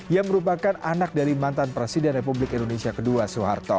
yang merupakan anak dari manis